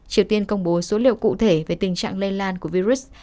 triều tiên công bố số liệu cụ thể về tình trạng lây lan của virus